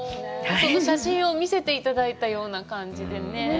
その写真を見せていただいたような感じでね。